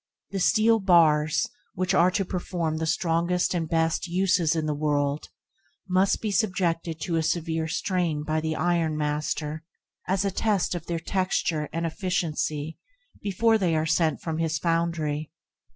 The steel bars which are to perform the strongest and best uses in the world must be subjected to a severe strain by the ironmaster, as a test of their texture and efficiency, before they are sent from his foundry.